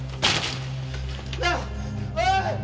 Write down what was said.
なあおい！